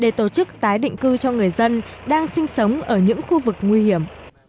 để tổ chức tái định cư cho người dân đang sinh sống ở những khu vực nguy hiểm